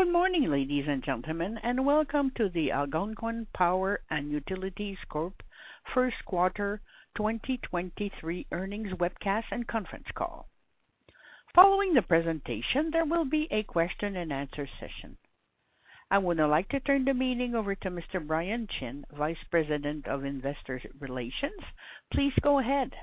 Good morning, ladies and gentlemen, welcome to the Algonquin Power & Utilities Corp. First Quarter 2023 Earnings Webcast and Conference Call. Following the presentation, there will be a question-and-answer session. I would now like to turn the meeting over to Mr. Brian Chin, Vice President of Investor Relations. Please go ahead.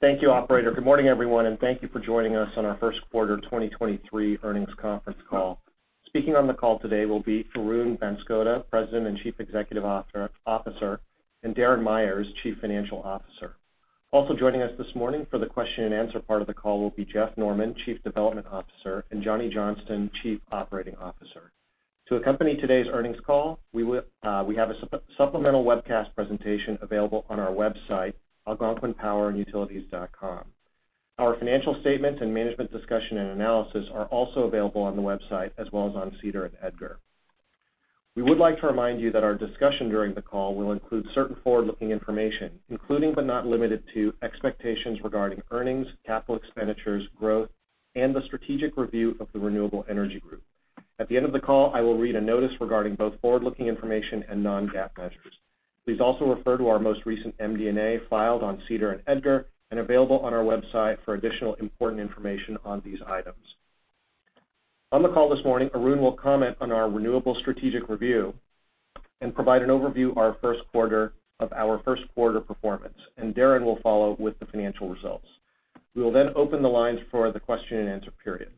Thank you, operator. Good morning, everyone, and thank you for joining us on our first quarter 2023 earnings conference call. Speaking on the call today will be Arun Banskota, President and Chief Executive Officer, and Darren Myers, Chief Financial Officer. Also joining us this morning for the question-and-answer part of the call will be Jeff Norman, Chief Development Officer, and Johnny Johnston, Chief Operating Officer. To accompany today's earnings call, we have a supplemental webcast presentation available on our website, algonquinpowerandutilities.com. Our financial statements and Management's Discussion and Analysis are also available on the website as well as on SEDAR and EDGAR. We would like to remind you that our discussion during the call will include certain forward-looking information, including but not limited to expectations regarding earnings, capital expenditures, growth, and the strategic review of the Renewable Energy Group. At the end of the call, I will read a notice regarding both forward-looking information and non-GAAP measures. Please also refer to our most recent MD&A filed on SEDAR and EDGAR and available on our website for additional important information on these items. On the call this morning, Arun will comment on our renewable strategic review and provide an overview of our first quarter performance. Darren will follow with the financial results. We will then open the lines for the question-and-answer period.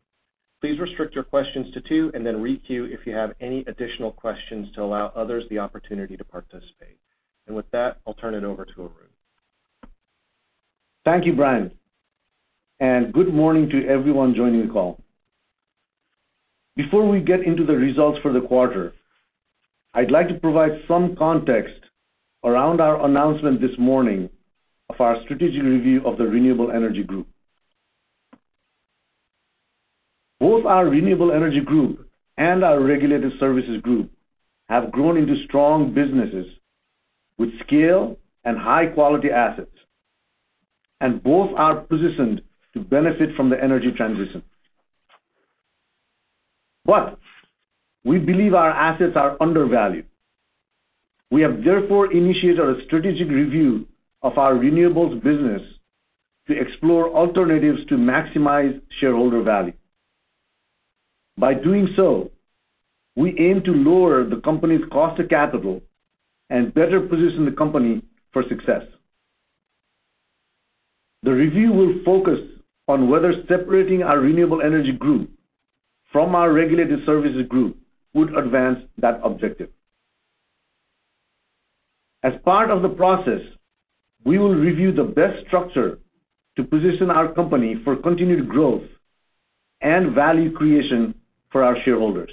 Please restrict your questions to two and then re-queue if you have any additional questions to allow others the opportunity to participate. With that, I'll turn it over to Arun. Thank you, Brian. Good morning to everyone joining the call. Before we get into the results for the quarter, I'd like to provide some context around our announcement this morning of our strategic review of the Renewable Energy Group. Both our Renewable Energy Group and our Regulated Services Group have grown into strong businesses with scale and high-quality assets, and both are positioned to benefit from the energy transition. We believe our assets are undervalued. We have therefore initiated a strategic review of our renewables business to explore alternatives to maximize shareholder value. By doing so, we aim to lower the company's cost of capital and better position the company for success. The review will focus on whether separating our Renewable Energy Group from our Regulated Services Group would advance that objective. As part of the process, we will review the best structure to position our company for continued growth and value creation for our shareholders.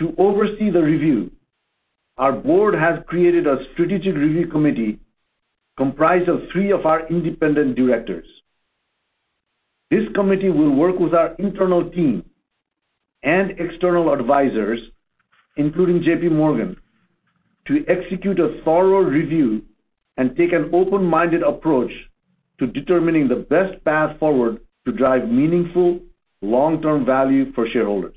To oversee the review, our board has created a strategic review committee comprised of three of our independent directors. This committee will work with our internal team and external advisors, including J.P. Morgan, to execute a thorough review and take an open-minded approach to determining the best path forward to drive meaningful long-term value for shareholders.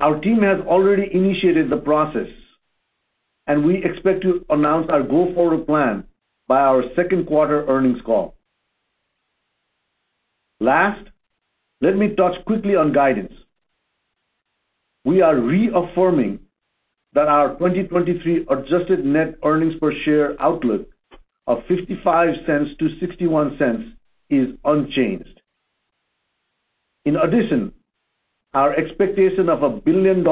Our team has already initiated the process. We expect to announce our go-forward plan by our second quarter earnings call. Last, let me touch quickly on guidance. We are reaffirming that our 2023 Adjusted Net Earnings per share outlook of $0.55-$0.61 is unchanged. Our expectation of $1 billion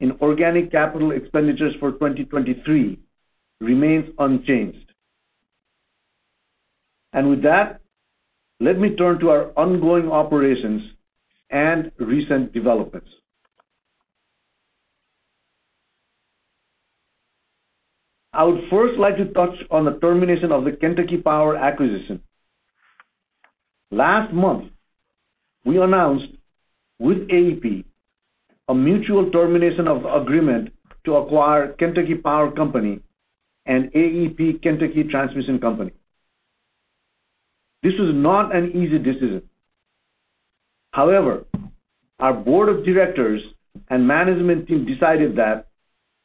in organic capital expenditures for 2023 remains unchanged. With that, let me turn to our ongoing operations and recent developments. I would first like to touch on the termination of the Kentucky Power acquisition. Last month, we announced with AEP a mutual termination of agreement to acquire Kentucky Power Company and AEP Kentucky Transmission Company. This was not an easy decision. However, our board of directors and management team decided that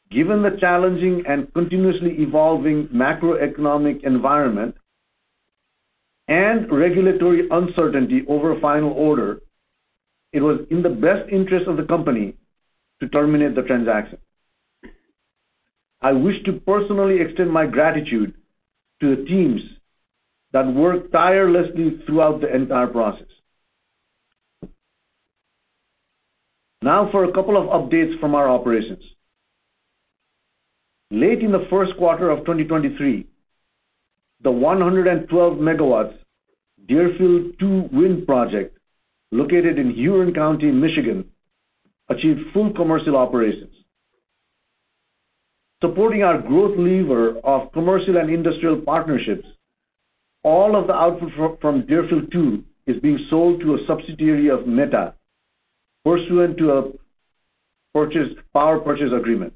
given the challenging and continuously evolving macroeconomic environment and regulatory uncertainty over final order, it was in the best interest of the company to terminate the transaction. I wish to personally extend my gratitude to the teams that worked tirelessly throughout the entire process. For a couple of updates from our operations. Late in the first quarter of 2023, the 112 MW Deerfield II wind project located in Huron County, Michigan, achieved full commercial operations. Supporting our growth lever of commercial and industrial partnerships, all of the output from Deerfield II is being sold to a subsidiary of Meta pursuant to a power purchase agreement.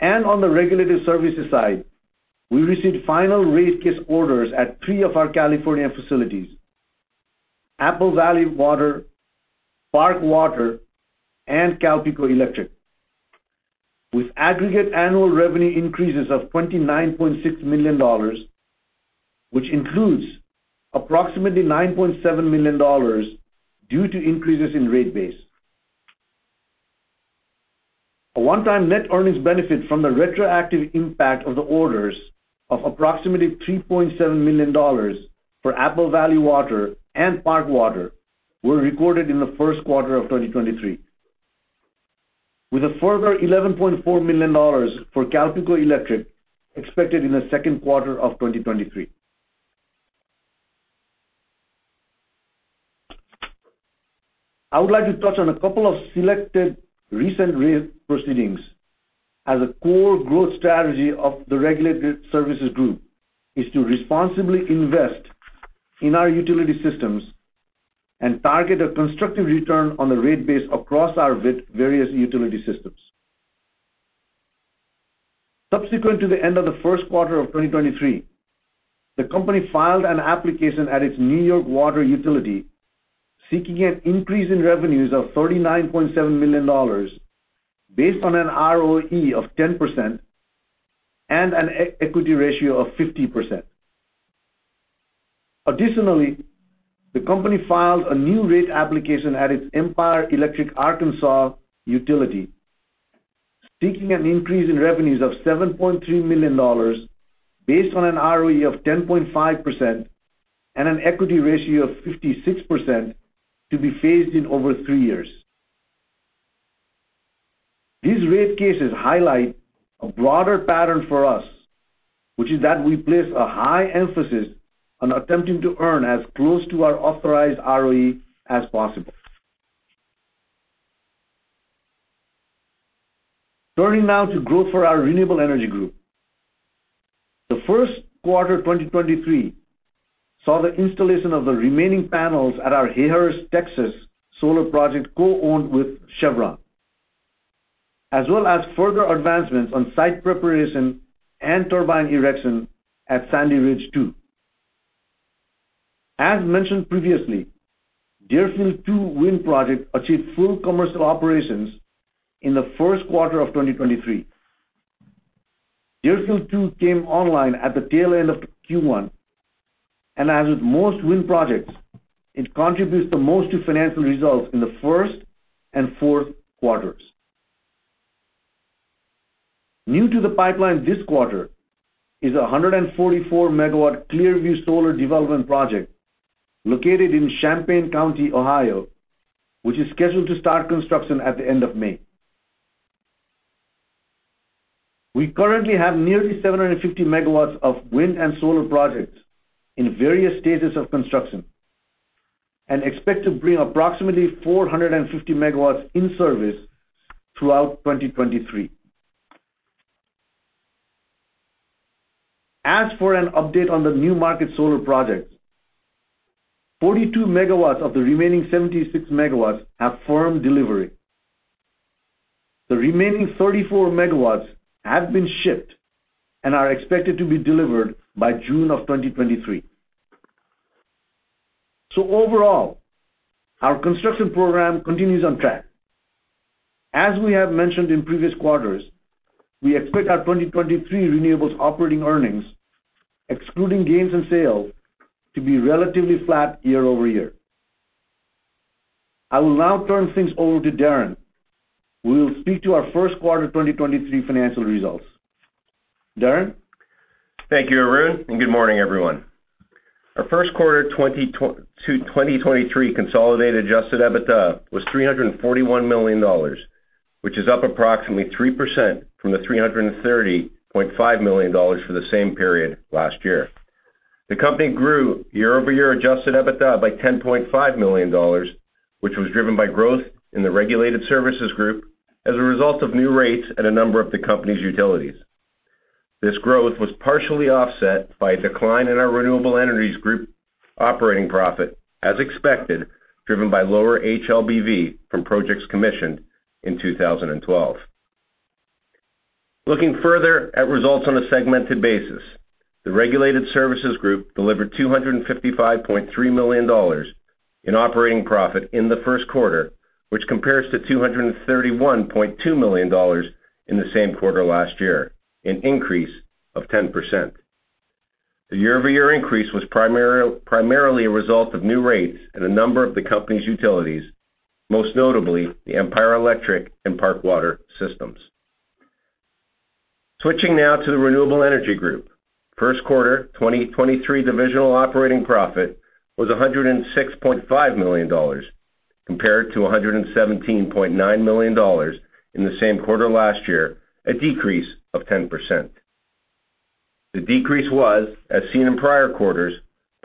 On the regulated services side, we received final rate case orders at three of our California facilities, Apple Valley Water, Park Water, and CalPeco Electric, with aggregate annual revenue increases of $29.6 million, which includes approximately $9.7 million due to increases in rate base. A one-time net earnings benefit from the retroactive impact of the orders of approximately $3.7 million for Apple Valley Water and Park Water were recorded in the first quarter of 2023, with a further $11.4 million for CalPeco Electric expected in the second quarter of 2023. I would like to touch on a couple of selected recent rate proceedings as a core growth strategy of the Regulated Services Group is to responsibly invest in our utility systems and target a constructive return on the rate base across our various utility systems. Subsequent to the end of the first quarter of 2023, the company filed an application at its New York Water utility, seeking an increase in revenues of $39.7 million based on an ROE of 10% and an equity ratio of 50%. Additionally, the company filed a new rate application at its Empire Electric Arkansas utility, seeking an increase in revenues of $7.3 million based on an ROE of 10.5% and an equity ratio of 56% to be phased in over three years. These rate cases highlight a broader pattern for us, which is that we place a high emphasis on attempting to earn as close to our authorized ROE as possible. Turning now to growth for our Renewable Energy Group. The first quarter 2023 saw the installation of the remaining panels at our Hayhurst, Texas solar project co-owned with Chevron, as well as further advancements on site preparation and turbine erection at Sandy Ridge Two. As mentioned previously, Deerfield II wind project achieved full commercial operations in the first quarter of 2023. Deerfield II came online at the tail end of Q1, and as with most wind projects, it contributes the most to financial results in the first and fourth quarters. New to the pipeline this quarter is a 144 MW Clearview Solar development project located in Champaign County, Ohio, which is scheduled to start construction at the end of May. We currently have nearly 750 MW of wind and solar projects in various stages of construction and expect to bring approximately 450 MW in service throughout 2023. As for an update on the new market solar projects, 42 MW of the remaining 76 MW have firm delivery. The remaining 34 MW have been shipped and are expected to be delivered by June of 2023. Overall, our construction program continues on track. As we have mentioned in previous quarters, we expect our 2023 renewables operating earnings, excluding gains and sales, to be relatively flat year-over-year. I will now turn things over to Darren, who will speak to our first quarter 2023 financial results. Darren? Thank you, Arun, and good morning, everyone. Our first quarter 2023 consolidated Adjusted EBITDA was $341 million, which is up approximately 3% from the $330.5 million for the same period last year. The company grew year-over-year Adjusted EBITDA by $10.5 million, which was driven by growth in the Regulated Services Group as a result of new rates at a number of the company's utilities. This growth was partially offset by a decline in our Renewable Energy Group operating profit, as expected, driven by lower HLBV from projects commissioned in 2012. Looking further at results on a segmented basis, the Regulated Services Group delivered $255.3 million in operating profit in the first quarter, which compares to $231.2 million in the same quarter last year, an increase of 10%. The year-over-year increase was primarily a result of new rates at a number of the company's utilities, most notably the Empire Electric and Park Water systems. Switching now to the Renewable Energy Group. First quarter 2023 Divisional Operating Profit was $106.5 million compared to $117.9 million in the same quarter last year, a decrease of 10%. The decrease was, as seen in prior quarters,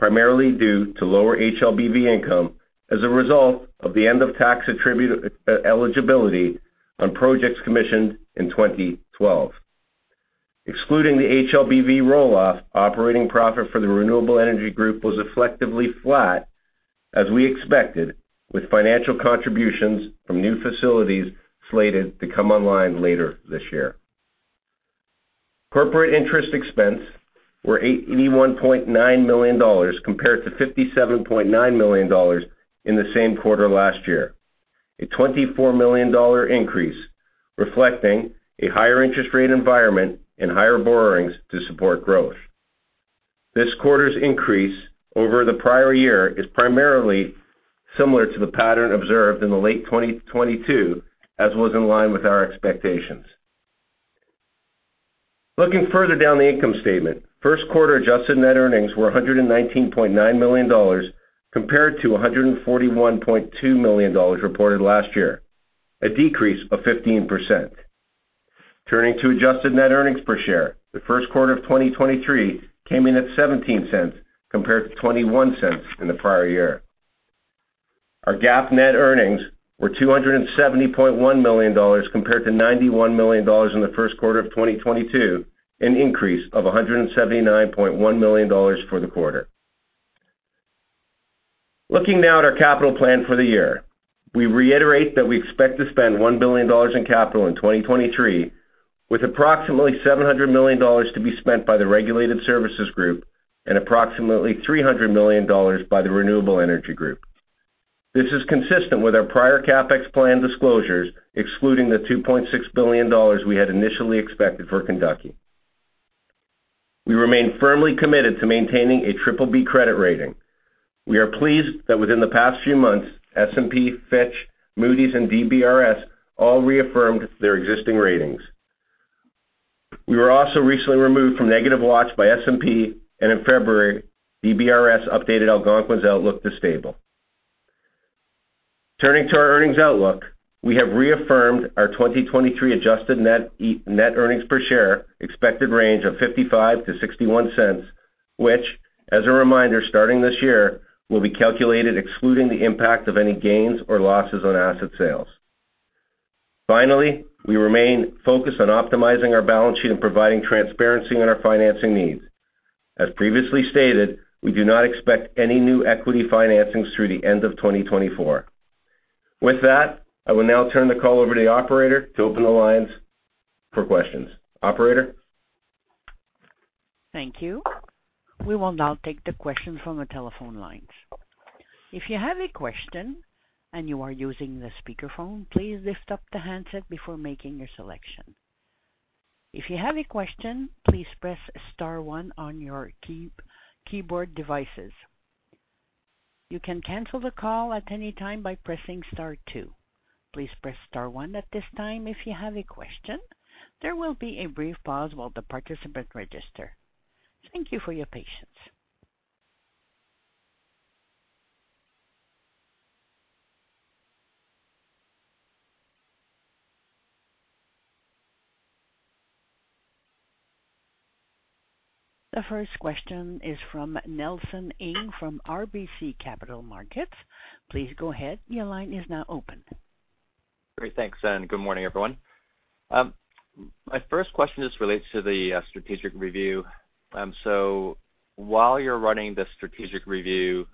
primarily due to lower HLBV income as a result of the end of tax attribute eligibility on projects commissioned in 2012. Excluding the HLBV roll-off, operating profit for the Renewable Energy Group was effectively flat, as we expected, with financial contributions from new facilities slated to come online later this year. Corporate interest expense were $81.9 million compared to $57.9 million in the same quarter last year, a $24 million increase reflecting a higher interest rate environment and higher borrowings to support growth. This quarter's increase over the prior year is primarily similar to the pattern observed in the late 2022, as was in line with our expectations. Looking further down the income statement, first quarter Adjusted Net Earnings were $119.9 million compared to $141.2 million reported last year, a decrease of 15%. Turning to Adjusted Net Earnings per share, the first quarter of 2023 came in at $0.17 compared to $0.21 in the prior year. Our GAAP net earnings were $270.1 million compared to $91 million in the first quarter of 2022, an increase of $179.1 million for the quarter. Looking now at our capital plan for the year, we reiterate that we expect to spend $1 billion in capital in 2023, with approximately $700 million to be spent by the Regulated Services Group and approximately $300 million by the Renewable Energy Group. This is consistent with our prior CapEx plan disclosures, excluding the $2.6 billion we had initially expected for Kentucky. We remain firmly committed to maintaining a BBB credit rating. We are pleased that within the past few months, S&P, Fitch, Moody's and DBRS all reaffirmed their existing ratings. We were also recently removed from negative watch by S&P, and in February, DBRS updated Algonquin's outlook to stable. Turning to our earnings outlook, we have reaffirmed our 2023 Adjusted Net Earnings per share expected range of $0.55-$0.61, which, as a reminder, starting this year, will be calculated excluding the impact of any gains or losses on asset sales. Finally, we remain focused on optimizing our balance sheet and providing transparency on our financing needs. As previously stated, we do not expect any new equity financings through the end of 2024. With that, I will now turn the call over to the operator to open the lines for questions. Operator? Thank you. We will now take the questions from the telephone lines. If you have a question and you are using the speakerphone, please lift up the handset before making your selection. If you have a question, please press star one on your keyboard devices. You can cancel the call at any time by pressing star two. Please press star one at this time if you have a question. There will be a brief pause while the participants register. Thank you for your patience. The first question is from Nelson Ng from RBC Capital Markets. Please go ahead. Your line is now open. Great. Thanks. Good morning, everyone. My first question just relates to the strategic review. While you're running the strategic review,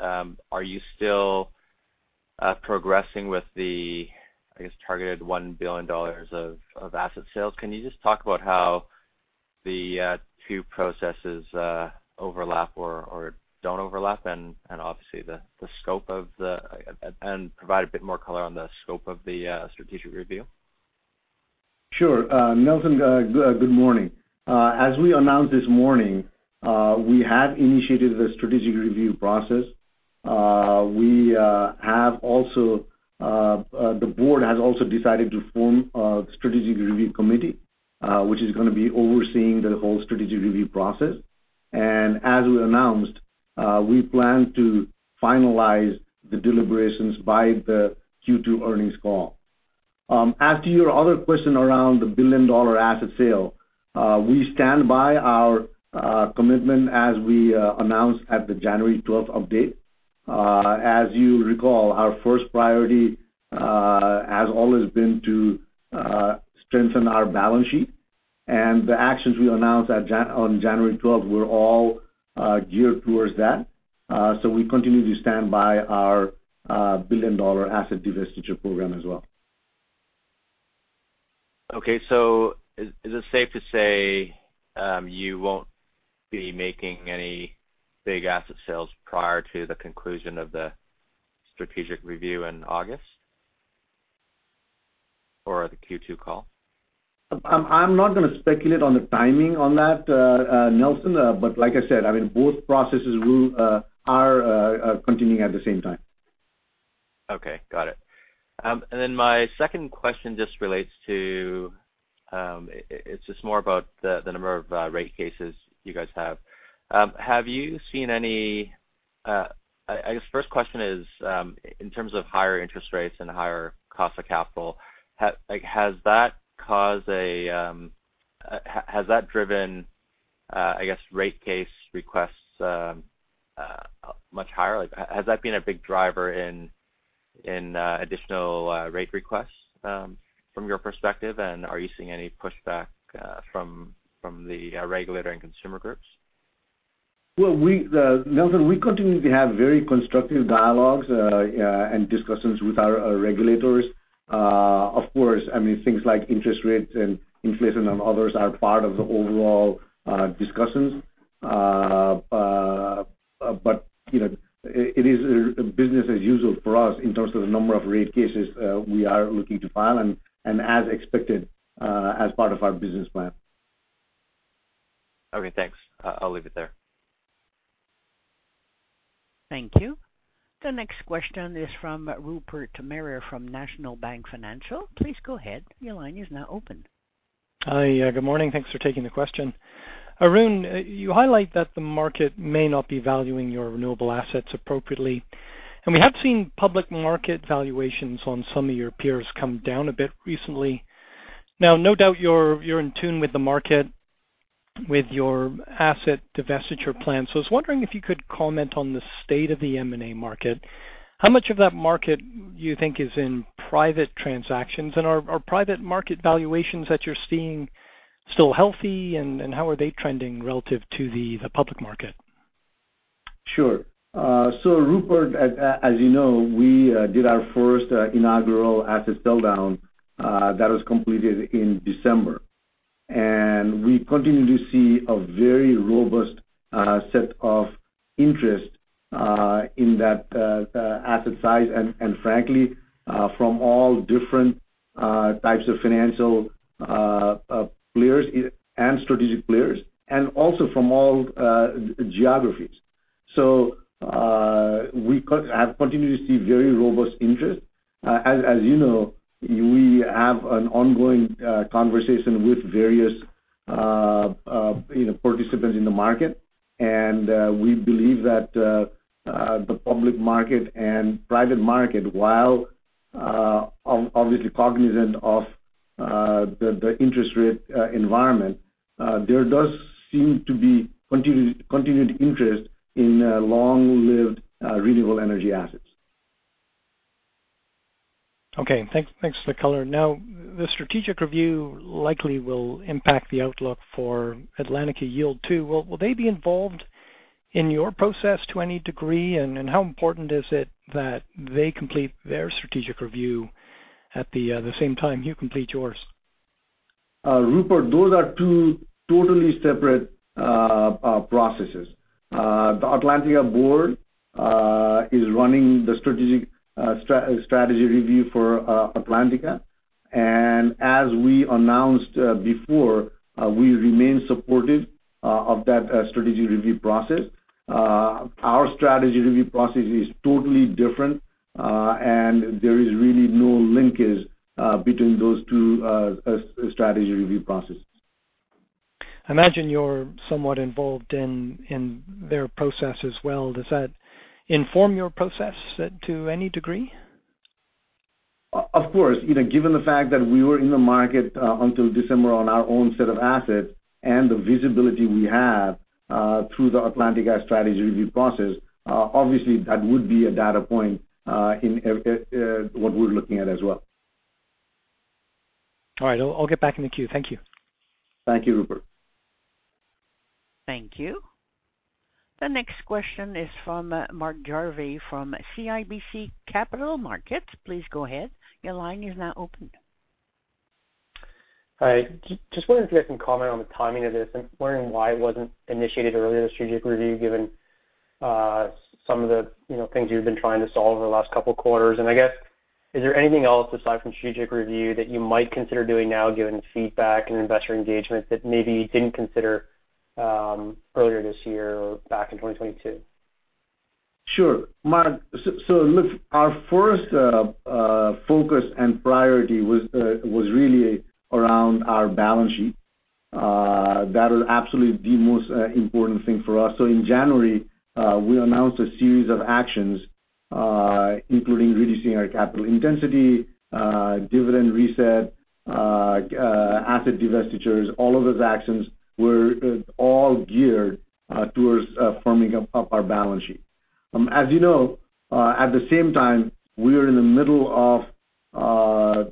are you still progressing with the, I guess, targeted $1 billion of asset sales? Can you just talk about how the two processes overlap or don't overlap and obviously the scope of the and provide a bit more color on the scope of the strategic review? Sure. Nelson, good morning. As we announced this morning, we have initiated the strategic review process. We have also, the board has also decided to form a strategic review committee, which is gonna be overseeing the whole strategic review process. As we announced, we plan to finalize the deliberations by the Q2 earnings call. As to your other question around the billion-dollar asset sale, we stand by our commitment as we announced at the January 12 update. As you recall, our first priority has always been to strengthen our balance sheet, and the actions we announced on January 12 were all geared towards that. We continue to stand by our billion-dollar asset divestiture program as well. Is it safe to say, you won't be making any big asset sales prior to the conclusion of the strategic review in August? Or the Q2 call? I'm not gonna speculate on the timing on that, Nelson. like I said, I mean both processes will, are continuing at the same time. Okay. Got it. My second question just relates to, it's just more about the number of rate cases you guys have. Have you seen any, I guess first question is, in terms of higher interest rates and higher cost of capital, has that caused a, has that driven, I guess rate case requests much higher? Has that been a big driver in additional rate requests from your perspective, and are you seeing any pushback from the regulator and consumer groups? Well, Nelson, we continue to have very constructive dialogues and discussions with our regulators. Of course, I mean, things like interest rates and inflation and others are part of the overall discussions. You know, it is business as usual for us in terms of the number of rate cases we are looking to file and as expected as part of our business plan. Okay, thanks. I'll leave it there. Thank you. The next question is from Rupert Merer from National Bank Financial. Please go ahead. Your line is now open. Hi. Yeah, good morning. Thanks for taking the question. Arun, you highlight that the market may not be valuing your renewable assets appropriately, and we have seen public market valuations on some of your peers come down a bit recently. Now, no doubt you're in tune with the market with your asset divestiture plan. I was wondering if you could comment on the state of the M&A market. How much of that market do you think is in private transactions? Are private market valuations that you're seeing still healthy, and how are they trending relative to the public market? Sure. So Rupert, as you know, we did our first inaugural asset sell-down that was completed in December. We continue to see a very robust set of interest in that asset size and frankly, from all different types of financial players and strategic players, and also from all geographies. We have continued to see very robust interest. As you know, we have an ongoing conversation with various, you know, participants in the market. We believe that the public market and private market while obviously cognizant of the interest rate environment, there does seem to be continued interest in long-lived renewable energy assets. Okay. Thanks, thanks for the color. The strategic review likely will impact the outlook for Atlantica yield too. Will they be involved in your process to any degree? How important is it that they complete their strategic review at the same time you complete yours? Rupert, those are two totally separate processes. The Atlantica board is running the strategic strategy review for Atlantica. As we announced before, we remain supportive of that strategy review process. Our strategy review process is totally different, and there is really no linkage between those two strategy review processes. I imagine you're somewhat involved in their process as well. Does that inform your process to any degree? Of course. You know, given the fact that we were in the market, until December on our own set of assets and the visibility we have, through the Atlantica strategy review process, obviously that would be a data point, in what we're looking at as well. All right. I'll get back in the queue. Thank you. Thank you, Rupert. Thank you. The next question is from Mark Jarvi from CIBC Capital Markets. Please go ahead. Your line is now open. Hi. Just wondering if you had some comment on the timing of this. I'm wondering why it wasn't initiated earlier, the strategic review, given some of the, you know, things you've been trying to solve over the last couple quarters. I guess, is there anything else aside from strategic review that you might consider doing now, given feedback and investor engagement that maybe you didn't consider earlier this year or back in 2022? Sure. Mark, so look, our first focus and priority was really around our balance sheet. That was absolutely the most important thing for us. In January, we announced a series of actions, including reducing our capital intensity, dividend reset, asset divestitures. All of those actions were all geared towards firming up our balance sheet. As you know, at the same time, we are in the middle of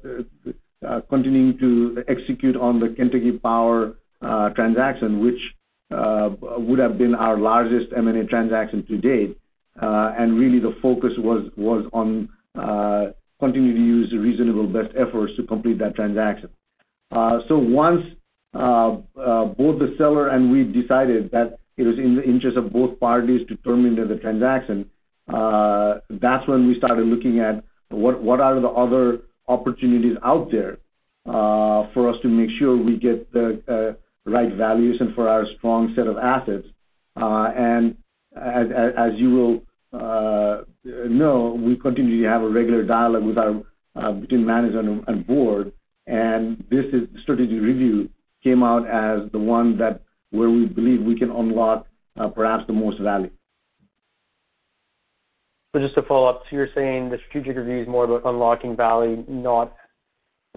continuing to execute on the Kentucky Power transaction, which would have been our largest M&A transaction to date. Really the focus was on continuing to use reasonable best efforts to complete that transaction. Once both the seller and we decided that it was in the interest of both parties to terminate the transaction, that's when we started looking at what are the other opportunities out there for us to make sure we get the right valuation for our strong set of assets. As you will know, we continue to have a regular dialogue with our between management and board, and this is strategy review came out as the one that where we believe we can unlock perhaps the most value. Just to follow up, so you're saying the strategic review is more about unlocking value, not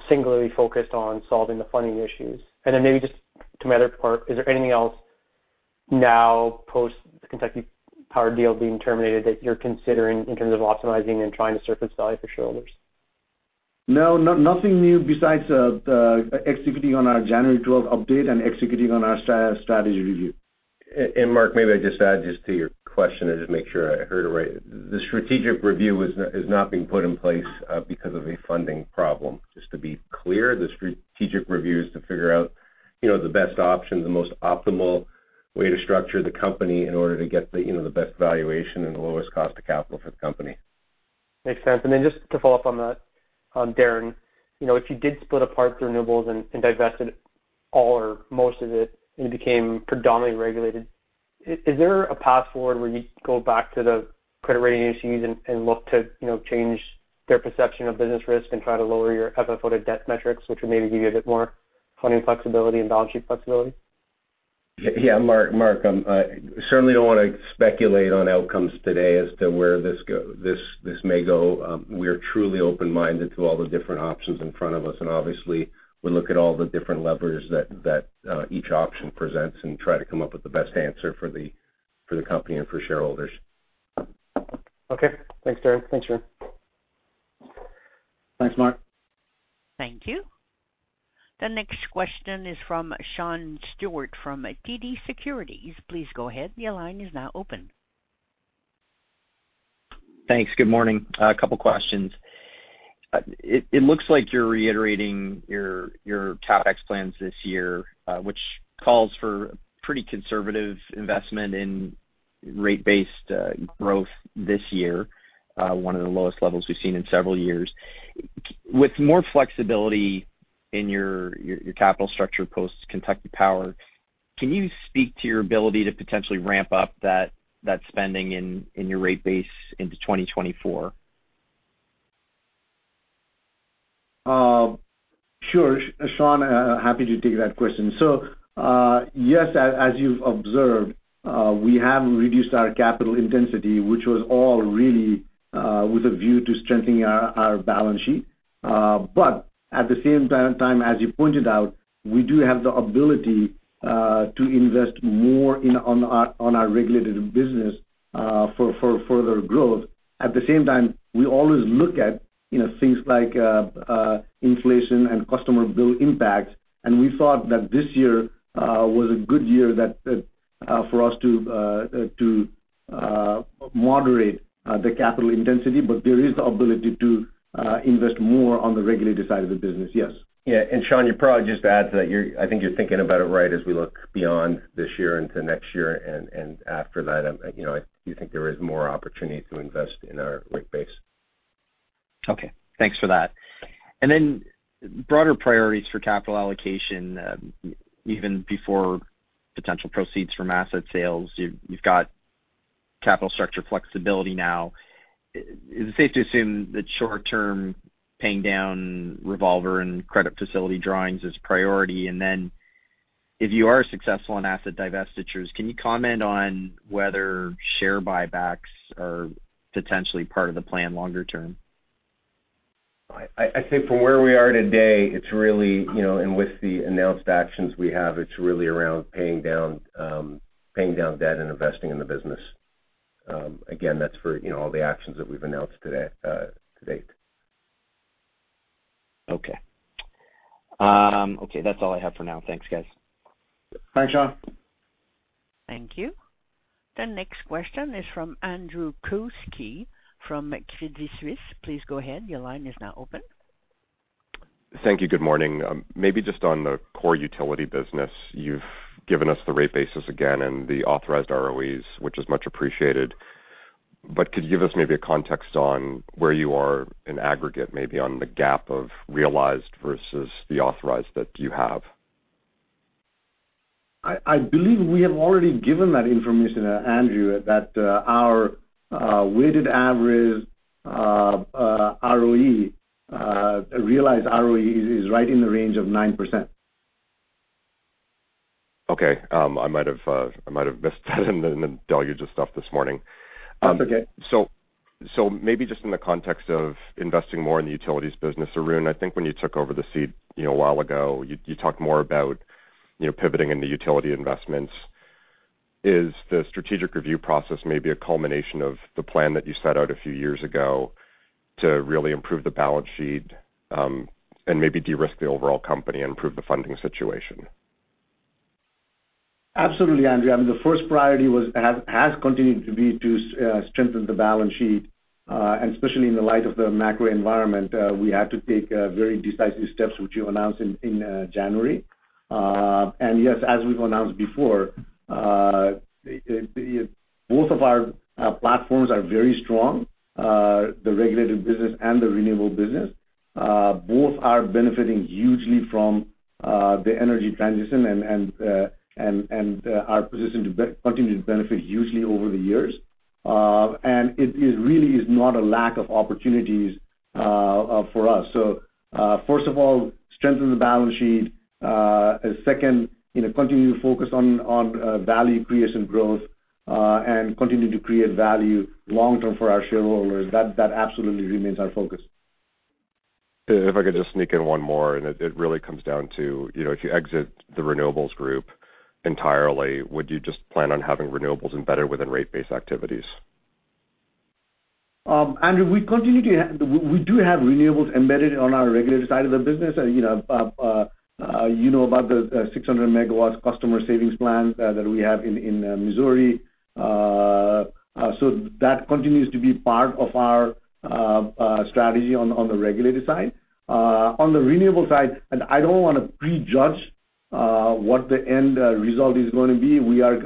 singularly focused on solving the funding issues? Maybe just to my other part, is there anything else-Now post the Kentucky Power deal being terminated that you're considering in terms of optimizing and trying to surface value for shareholders? No, nothing new besides, the executing on our January 12 update and executing on our strategy review. Mark, maybe I just add just to your question and just make sure I heard it right. The strategic review is not being put in place, because of a funding problem. Just to be clear, the strategic review is to figure out, you know, the best option, the most optimal way to structure the company in order to get the, you know, the best valuation and the lowest cost of capital for the company. Makes sense. Just to follow up on that, Darren, you know, if you did split apart the renewables and divested all or most of it and became predominantly regulated, is there a path forward where you go back to the credit rating agencies and look to, you know, change their perception of business risk and try to lower your FFO to debt metrics, which would maybe give you a bit more funding flexibility and balance sheet flexibility? Yeah, Mark, I certainly don't want to speculate on outcomes today as to where this may go. We are truly open-minded to all the different options in front of us. Obviously we look at all the different levers that each option presents and try to come up with the best answer for the company and for shareholders. Okay. Thanks, Darren. Thanks, Arun. Thanks, Mark. Thank you. The next question is from Sean Steuart from TD Securities. Please go ahead, your line is now open. Thanks. Good morning. A couple questions. It looks like you're reiterating your CapEx plans this year, which calls for pretty conservative investment in rate-based growth this year, one of the lowest levels we've seen in several years. With more flexibility in your capital structure post Kentucky Power, can you speak to your ability to potentially ramp up that spending in your rate base into 2024? Sure, Sean, happy to take that question. Yes, as you've observed, we have reduced our capital intensity, which was all really, with a view to strengthening our balance sheet. At the same time, as you pointed out, we do have the ability, to invest more on our regulated business, for further growth. At the same time, we always look at, you know, things like, inflation and customer bill impact, and we thought that this year, was a good year that, for us to moderate, the capital intensity. There is the ability to, invest more on the regulated side of the business, yes. Sean, you probably just add to that. I think you're thinking about it right as we look beyond this year into next year and after that, you know, I do think there is more opportunity to invest in our rate base. Okay. Thanks for that. Broader priorities for capital allocation, even before potential proceeds from asset sales. You've got capital structure flexibility now. Is it safe to assume that short-term paying down revolver and credit facility drawings is priority? If you are successful in asset divestitures, can you comment on whether share buybacks are potentially part of the plan longer term? I think from where we are today, it's really, you know, with the announced actions we have, it's really around paying down, paying down debt and investing in the business. That's for, you know, all the actions that we've announced today, to date. Okay. Okay, that's all I have for now. Thanks, guys. Thanks, Sean. Thank you. The next question is from Andrew Kuske from Credit Suisse. Please go ahead, your line is now open. Thank you. Good morning. Maybe just on the core utility business, you've given us the rate basis again and the authorized ROEs, which is much appreciated. Could you give us maybe a context on where you are in aggregate, maybe on the gap of realized versus the authorized that you have? I believe we have already given that information, Andrew, that our weighted average ROE realized ROE is right in the range of 9%. I might have missed that in the deluge of stuff this morning. That's okay. Maybe just in the context of investing more in the utilities business, Arun, I think when you took over the seat, you know, a while ago, you talked more about, you know, pivoting in the utility investments. Is the strategic review process maybe a culmination of the plan that you set out a few years ago to really improve the balance sheet, and maybe de-risk the overall company and improve the funding situation? Absolutely, Andrew. I mean, the first priority was, has continued to be to strengthen the balance sheet, and especially in the light of the macro environment, we had to take very decisive steps, which we announced in January. Yes, as we've announced before, both of our platforms are very strong, the regulated business and the renewable business. Both are benefiting hugely from the energy transition and, and, are positioned to continue to benefit hugely over the years. It is really is not a lack of opportunities for us. First of all, strengthen the balance sheet. Second, you know, continue to focus on value creation growth, and continue to create value long-term for our shareholders. That absolutely remains our focus. If I could just sneak in one more, and it really comes down to, you know, if you exit the Renewables Group entirely, would you just plan on having renewables embedded within rate-based activities? Andrew, we do have renewables embedded on our regulated side of the business. You know, you know about the 600 MW customer savings plan that we have in Missouri. That continues to be part of our strategy on the regulated side. On the renewable side, I don't wanna pre-judge what the end result is gonna be. We are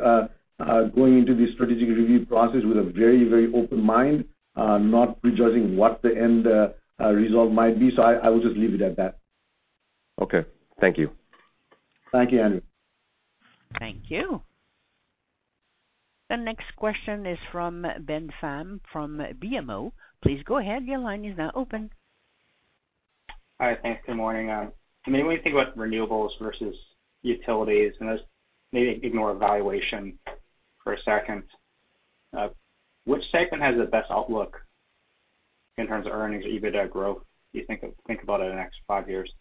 going into this strategic review process with a very, very open mind, not pre-judging what the end result might be. I will just leave it at that. Okay, thank you. Thank you, Andrew. Thank you. The next question is from Ben Pham from BMO. Please go ahead, your line is now open. Hi. Thanks. Good morning. When we think about renewables versus utilities, this maybe ignore valuation for a second, which segment has the best outlook in terms of earnings, EBITDA growth, you think about in the next five years?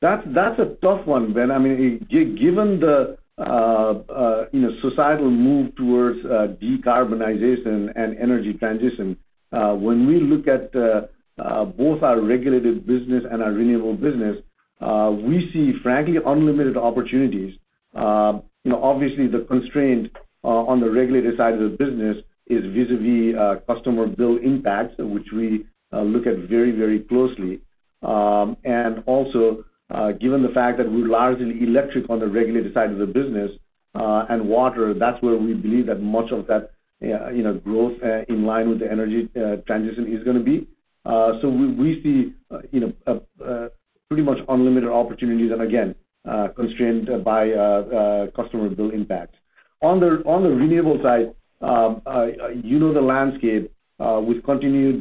That's a tough one, Ben. I mean, given the, you know, societal move towards decarbonization and energy transition, when we look at both our regulated business and our renewable business, we see, frankly, unlimited opportunities. You know, obviously, the constraint on the regulated side of the business is vis-a-vis customer bill impacts, which we look at very, very closely. Also, given the fact that we're largely electric on the regulated side of the business, and water, that's where we believe that much of that, you know, growth, in line with the energy transition is gonna be. We see, you know, pretty much unlimited opportunities and again, constrained by customer bill impact. On the renewable side, you know, the landscape, with continued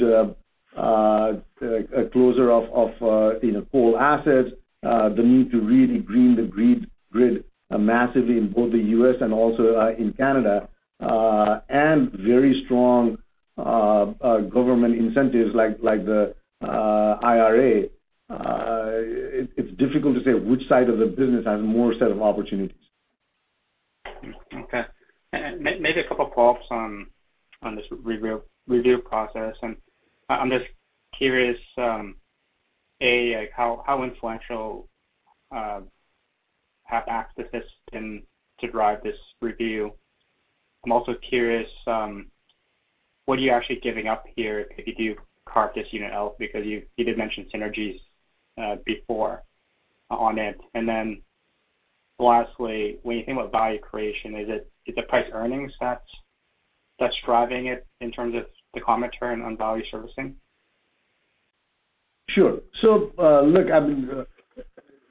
closure of, you know, coal assets, the need to really green the grid massively in both the U.S. and also in Canada. Very strong government incentives like the IRA. It's difficult to say which side of the business has more set of opportunities. Okay. Maybe a couple of follow-ups on this review process. I'm just curious, A, like how influential have activists been to drive this review? I'm also curious, what are you actually giving up here if you do carve this unit out? Because you did mention synergies before on it. Lastly, when you think about value creation, is it the price earnings that's driving it in terms of the commentary on value servicing? Sure. Look,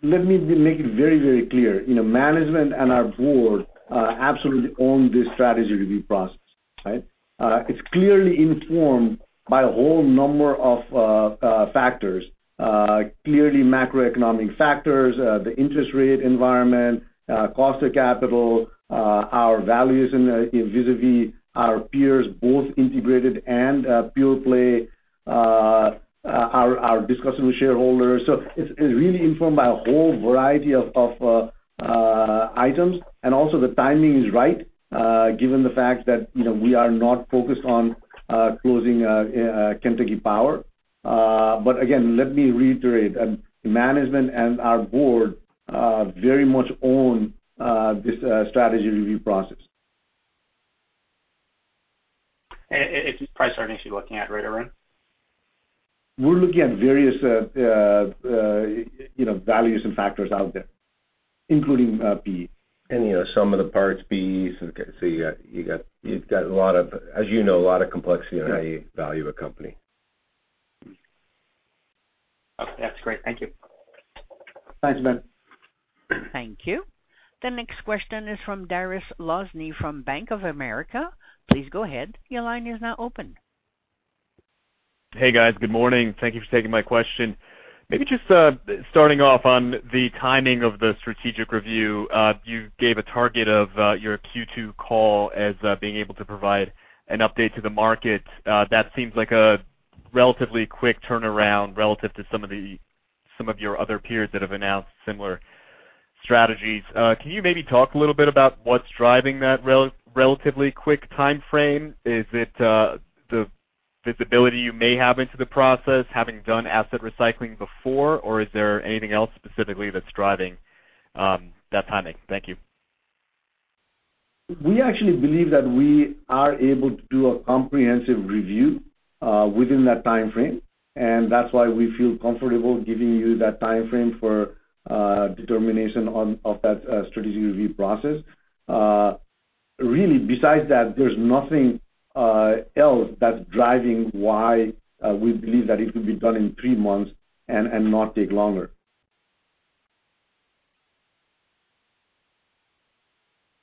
let me make it very, very clear. You know, management and our board absolutely own this strategy review process, right? It's clearly informed by a whole number of factors, clearly macroeconomic factors, the interest rate environment, cost of capital, our values in, vis-a-vis our peers, both integrated and pure play, our discussion with shareholders. It's really informed by a whole variety of items. Also the timing is right, given the fact that, you know, we are not focused on closing Kentucky Power. Again, let me reiterate, management and our board very much own this strategy review process. It's price earnings you're looking at, right, Arun? We're looking at various, you know, values and factors out there, including PE. You know, some of the parts, BEs. You've got a lot of, as you know, a lot of complexity on how you value a company. Okay. That's great. Thank you. Thanks, Ben. Thank you. The next question is from Dariusz Lozny from Bank of America. Please go ahead, your line is now open. Hey, guys. Good morning. Thank you for taking my question. Maybe just starting off on the timing of the strategic review. You gave a target of your Q2 call as being able to provide an update to the market. That seems like a relatively quick turnaround relative to some of your other peers that have announced similar strategies. Can you maybe talk a little bit about what's driving that relatively quick timeframe? Is it the visibility you may have into the process, having done asset recycling before? Or is there anything else specifically that's driving that timing? Thank you. We actually believe that we are able to do a comprehensive review within that timeframe, and that's why we feel comfortable giving you that timeframe for determination of that strategic review process. Really besides that, there's nothing else that's driving why we believe that it could be done in three months and not take longer.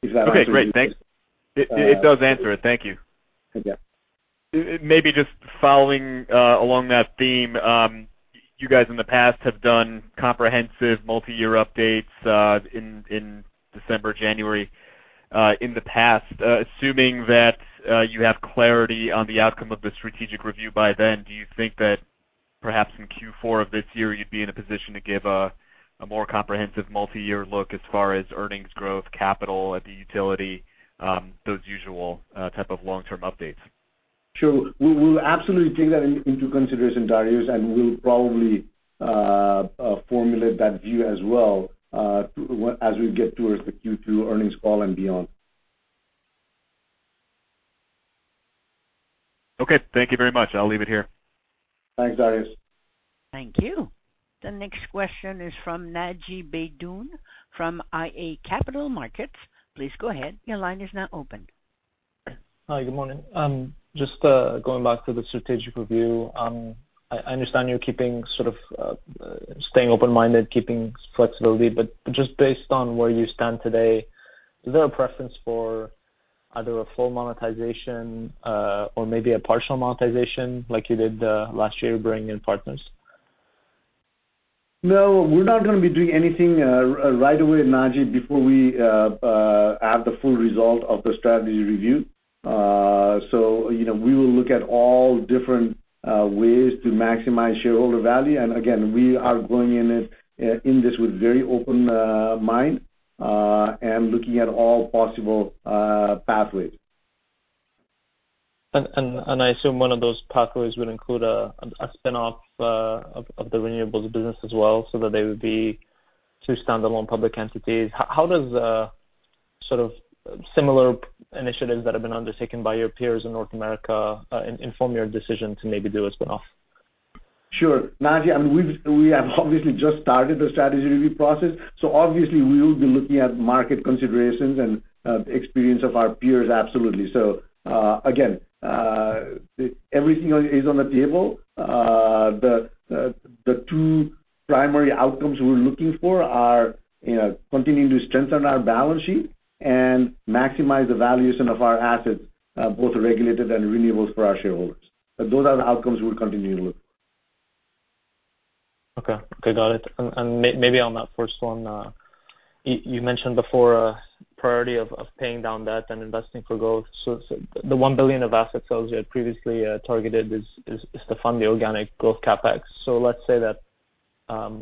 Does that answer your question? Okay, great. Thanks. It does answer it. Thank you. Yeah. Maybe just following, along that theme. You guys in the past have done comprehensive multi-year updates, in December, January, in the past. Assuming that, you have clarity on the outcome of the strategic review by then, do you think that perhaps in Q4 of this year you'd be in a position to give a more comprehensive multi-year look as far as earnings growth, capital at the utility, those usual, type of long-term updates? Sure. We will absolutely take that into consideration, Dariusz, we'll probably formulate that view as well as we get towards the Q2 earnings call and beyond. Okay, thank you very much. I'll leave it here. Thanks, Dariusz. Thank you. The next question is from Naji Baydoun from iA Capital Markets. Please go ahead. Your line is now open. Hi, good morning. Just going back to the strategic review. I understand you're keeping sort of staying open-minded, keeping flexibility. Just based on where you stand today, is there a preference for either a full monetization, or maybe a partial monetization like you did last year to bring in partners? No, we're not gonna be doing anything, right away, Naji, before we have the full result of the strategy review. You know, we will look at all different ways to maximize shareholder value. Again, we are going in it, in this with very open mind, and looking at all possible pathways. I assume one of those pathways would include a spin-off of the renewables business as well, so that they would be two standalone public entities. How does sort of similar initiatives that have been undertaken by your peers in North America inform your decision to maybe do a spin-off? Sure. Naji, I mean, we have obviously just started the strategy review process, so obviously we will be looking at market considerations and experience of our peers, absolutely. Again, everything is on the table. The two primary outcomes we're looking for are, you know, continuing to strengthen our balance sheet and maximize the valuation of our assets, both regulated and renewables for our shareholders. Those are the outcomes we'll continue to look for. Okay. Okay, got it. Maybe on that first one, you mentioned before a priority of paying down debt and investing for growth. The $1 billion of asset sales you had previously targeted is to fund the organic growth CapEx. Let's say that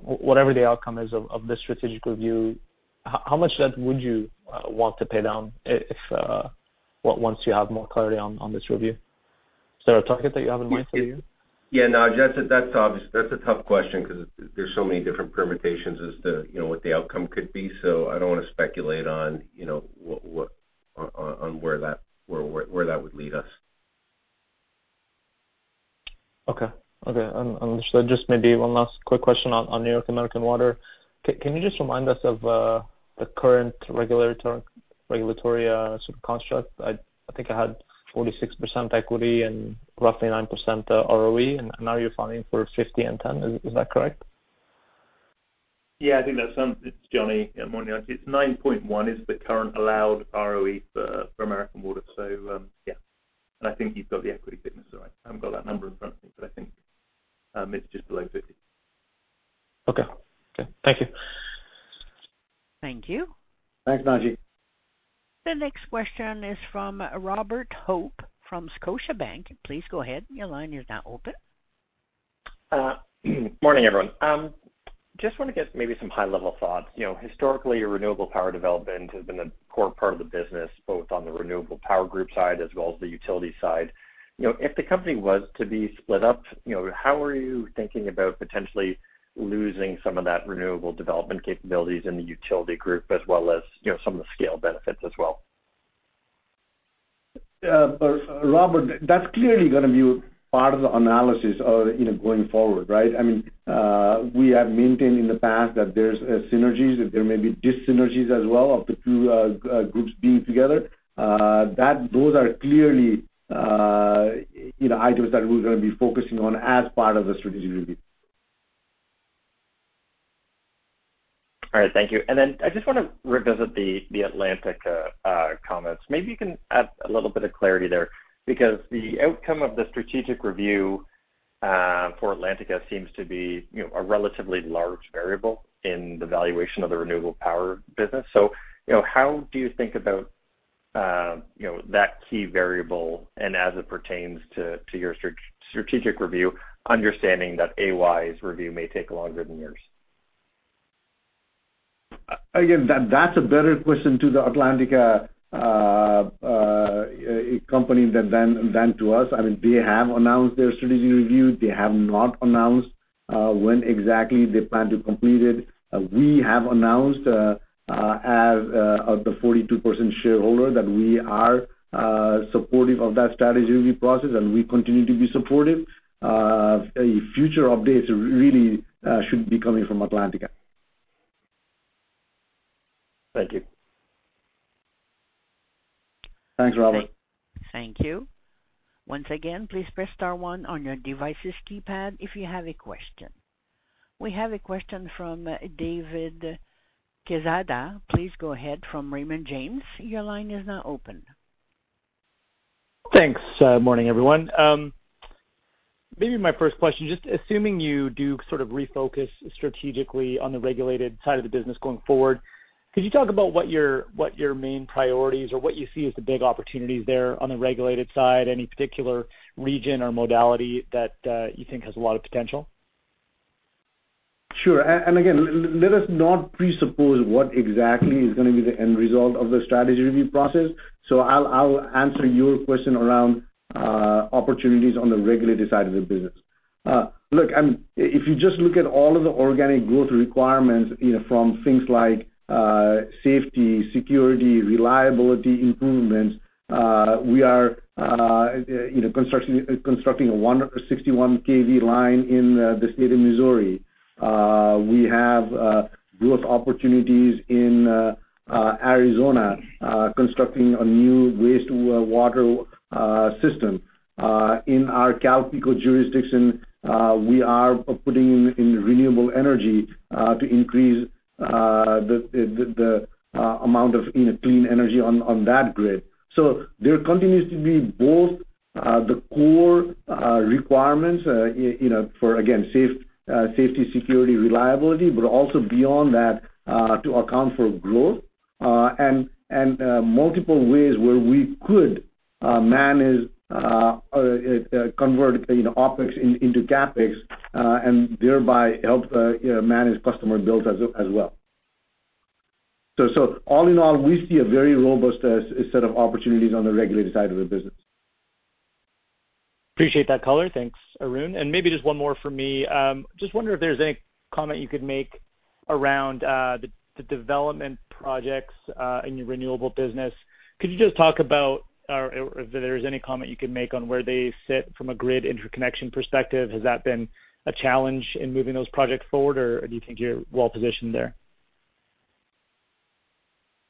whatever the outcome is of this strategic review, how much debt would you want to pay down if once you have more clarity on this review? Is there a target that you have in mind for you? Yeah, Naji, that's a tough question 'cause there's so many different permutations as to, you know, what the outcome could be. I don't wanna speculate on, you know, where that would lead us. Okay. Okay. Just maybe one last quick question on New York American Water. Can you just remind us of the current regulatory, sort of construct? I think I had 46% equity and roughly 9% ROE, and now you're filing for 50 and 10. Is that correct? Yeah, I think it's Johnny. Good morning, Naji. It's nine. One is the current allowed ROE for American Water. Yeah. I think you've got the equity thinness right. I haven't got that number in front of me, I think it's just below 50. Okay. Okay. Thank you. Thank you. Thanks, Naji. The next question is from Robert Hope from Scotiabank. Please go ahead. Your line is now open. Morning, everyone. Just wanna get maybe some high-level thoughts. You know, historically, renewable power development has been a core part of the business, both on the Renewable Energy Group side as well as the Regulated Services Group side. You know, if the company was to be split up, you know, how are you thinking about potentially losing some of that renewable development capabilities in the Regulated Services Group as well as, you know, some of the scale benefits as well? Robert, that's clearly gonna be part of the analysis of, you know, going forward, right? I mean, we have maintained in the past that there's synergies, that there may be dis-synergies as well of the two groups being together. Those are clearly, you know, items that we're gonna be focusing on as part of the strategic review. All right, thank you. I just want to revisit the Atlantica comments. Maybe you can add a little bit of clarity there, because the outcome of the strategic review for Atlantica seems to be, you know, a relatively large variable in the valuation of the renewable power business. You know, how do you think about, you know, that key variable and as it pertains to your strategic review, understanding that AY's review may take longer than yours? Again, that's a better question to the Atlantica company than to us. I mean, they have announced their strategy review. They have not announced when exactly they plan to complete it. We have announced as the 42% shareholder, that we are supportive of that strategy review process, and we continue to be supportive. Any future updates really should be coming from Atlantica. Thank you. Thanks, Robert. Thank you. Once again, please press star one on your device's keypad if you have a question. We have a question from David Quezada. Please go ahead, from Raymond James. Your line is now open. Thanks. Morning, everyone. Maybe my first question, just assuming you do sort of refocus strategically on the regulated side of the business going forward, could you talk about what your main priorities or what you see as the big opportunities there on the regulated side, any particular region or modality that you think has a lot of potential? Sure. And again, let us not presuppose what exactly is gonna be the end result of the strategy review process. I'll answer your question around opportunities on the regulated side of the business. Look, if you just look at all of the organic growth requirements, you know, from things like safety, security, reliability improvements, we are, you know, constructing a 61 kV line in the state of Missouri. We have growth opportunities in Arizona, constructing a new wastewater system. In our CalPeco jurisdiction, we are putting in renewable energy to increase the amount of, you know, clean energy on that grid. There continues to be both, the core requirements, you know, for again, safety, security, reliability, but also beyond that, to account for growth, and multiple ways where we could manage convert, you know, OpEx into CapEx, and thereby help manage customer bills as well. All in all, we see a very robust set of opportunities on the regulated side of the business. Appreciate that color. Thanks, Arun. Maybe just one more for me. Just wondering if there's any comment you could make around the development projects in your renewable business. If there is any comment you could make on where they sit from a grid interconnection perspective, has that been a challenge in moving those projects forward, or do you think you're well-positioned there?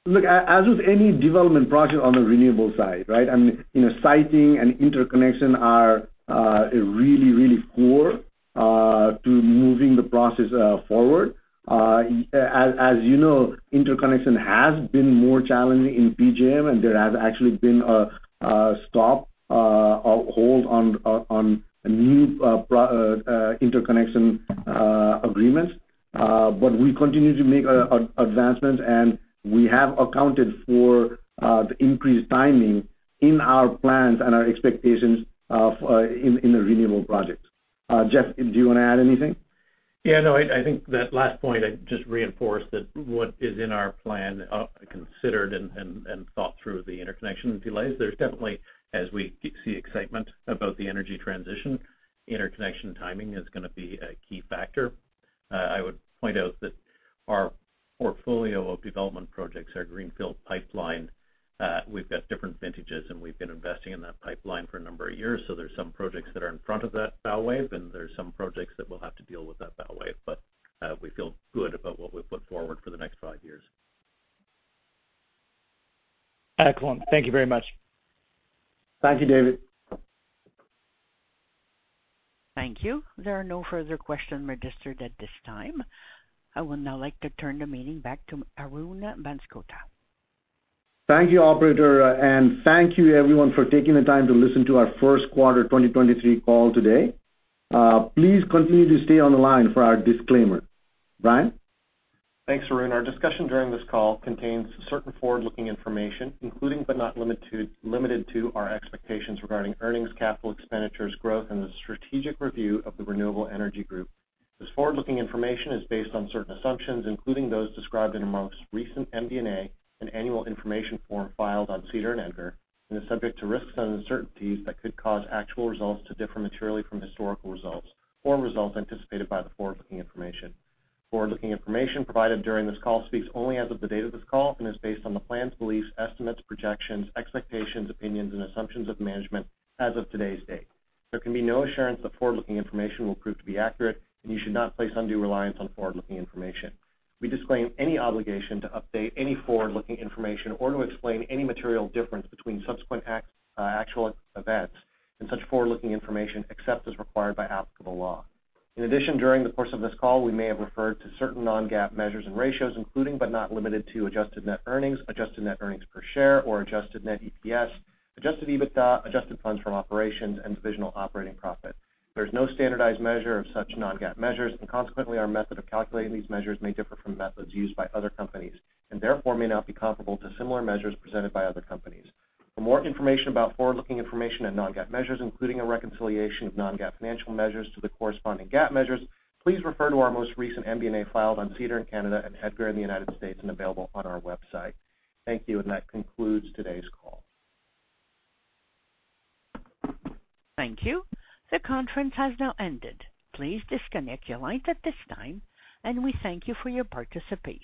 As with any development project on the renewable side, right? I mean, you know, siting and interconnection are really, really core to moving the process forward. As you know, interconnection has been more challenging in PJM, and there has actually been a stop or hold on new interconnection agreements. We continue to make advancements, and we have accounted for the increased timing in our plans and our expectations in the renewable projects. Jeff, do you wanna add anything? Yeah, no, I think that last point, I'd just reinforce that what is in our plan, considered and thought through the interconnection delays. There's definitely, as we see excitement about the energy transition, interconnection timing is gonna be a key factor. I would point out that our portfolio of development projects, our greenfield pipeline, we've got different vintages, and we've been investing in that pipeline for a number of years. There's some projects that are in front of that bow wave, and there's some projects that will have to deal with that bow wave. We feel good about what we've put forward for the next five years. Excellent. Thank you very much. Thank you, David. Thank you. There are no further questions registered at this time. I would now like to turn the meeting back to Arun Banskota. Thank you, operator, and thank you everyone for taking the time to listen to our first quarter 2023 call today. Please continue to stay on the line for our disclaimer. Brian? Thanks, Arun. Our discussion during this call contains certain forward-looking information, including but not limited to our expectations regarding earnings, capital expenditures, growth, and the strategic review of the Renewable Energy Group. This forward-looking information is based on certain assumptions, including those described in amongst recent MD&A and annual information form filed on SEDAR and EDGAR, and is subject to risks and uncertainties that could cause actual results to differ materially from historical results or results anticipated by the forward-looking information. Forward-looking information provided during this call speaks only as of the date of this call and is based on the plans, beliefs, estimates, projections, expectations, opinions, and assumptions of management as of today's date. There can be no assurance that forward-looking information will prove to be accurate, and you should not place undue reliance on forward-looking information. We disclaim any obligation to update any forward-looking information or to explain any material difference between subsequent actual events and such forward-looking information, except as required by applicable law. In addition, during the course of this call, we may have referred to certain non-GAAP measures and ratios, including but not limited to Adjusted Net Earnings, Adjusted Net Earnings per share or Adjusted Net EPS, Adjusted EBITDA, Adjusted Funds from Operations and Divisional Operating Profit. There's no standardized measure of such non-GAAP measures, and consequently, our method of calculating these measures may differ from methods used by other companies and therefore may not be comparable to similar measures presented by other companies. For more information about forward-looking information and non-GAAP measures, including a reconciliation of non-GAAP financial measures to the corresponding GAAP measures, please refer to our most recent MD&A filed on SEDAR in Canada and EDGAR in the United States and available on our website. Thank you. That concludes today's call. Thank you. The conference has now ended. Please disconnect your lines at this time, and we thank you for your participation.